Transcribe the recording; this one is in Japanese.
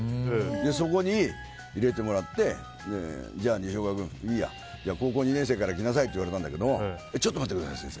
そこに入れてもらってじゃあ西岡君、高校２年生から来なさいと言われたんだけどちょっと待ってください、先生。